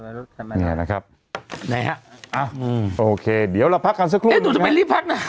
เนี้ยนะครับไหนฮะอ่ะอืมโอเคเดี๋ยวเราพักกันสักครู่เอ๊ะหนูจะไปรีบพักน่ะ